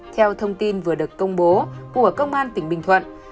theo thông tin vừa được công bố của công an tỉnh bình thuận